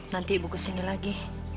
nanti ibu kesini lagi